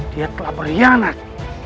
dia telah berianat